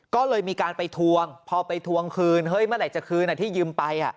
ก็เลยมีการไปทวงพอไปทวงคืนเฮ้ยเมื่อไหร่จะคืนที่ยืมไป